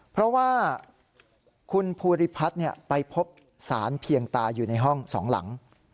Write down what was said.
เพราะว่าคุณภูริพัฒน์ไปพบสารเพียงตาอยู่ในห้องสองหลัง